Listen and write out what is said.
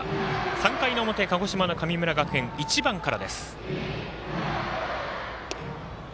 ３回の表、鹿児島の神村学園１番からです。